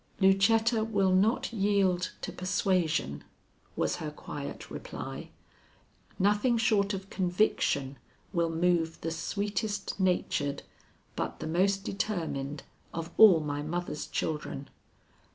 "Lucetta will not yield to persuasion," was her quiet reply. "Nothing short of conviction will move the sweetest natured but the most determined of all my mother's children.